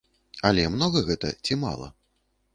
Але многа гэта ці мала?